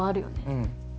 うん。